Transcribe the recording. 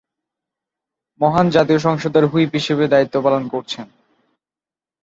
মহান জাতীয় সংসদের হুইপ হিসেবে দায়িত্ব পালন করছেন।